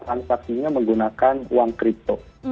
transaksinya menggunakan uang crypto